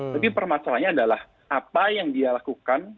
tapi permasalahannya adalah apa yang dia lakukan